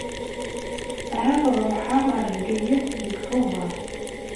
Ahat ad ṛuḥeɣ ar Bgayet deg Tubeṛ.